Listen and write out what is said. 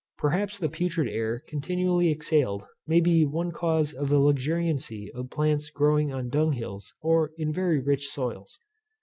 Perhaps the putrid air continually exhaled may be one cause of the luxuriancy of plants growing on dunghills or in very rich soils.